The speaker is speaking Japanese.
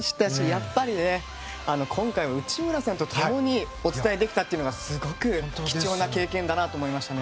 やっぱり今回、内村さんと共にお伝えできたというのはすごく貴重な経験でした。